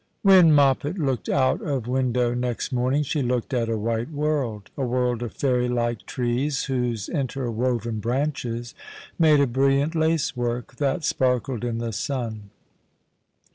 WHEN Moppet looked out of win dow next morning she looked at a white world — a world of fairy like trees, whose inter woven branches made a brilliant lace work that sparkled in the Sim.